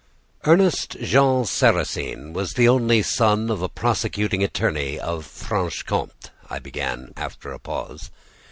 "Ernest Jean Sarrasine was the only son of a prosecuting attorney of Franche Comte," I began after a pause.